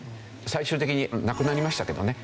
最終的になくなりましたけどね。